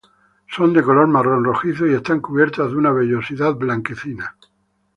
Son de color marrón rojizo, y están cubiertos de una vellosidad blanquecina.